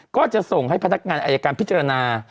ก็จะส่งให้พนักงานอายการพิจารณา